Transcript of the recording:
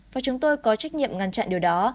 và chúng tôi có trách nhiệm ngăn chặn điều đó